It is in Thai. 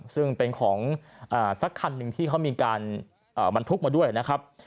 ซึ่งเป็นของสักคันหนึ่งที่เขามีการบรรทุกมาด้วยนะครับ